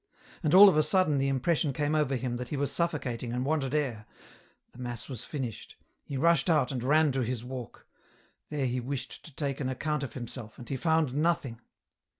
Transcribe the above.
And all of a sudden the impression came over him that he was suffocating and wanted air ; the mass was finished ; he rushed out and ran to his walk ; there he wished to take an account of himself and he found nothing.